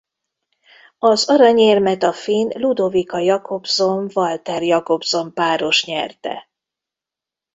Az aranyérmet a finn Ludovika Jakobsson–Walter Jakobsson-páros nyerte.